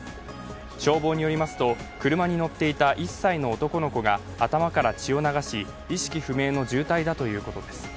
消防によりますと、車に乗っていた１歳の男の子が頭から血を流し意識不明の重体だということです。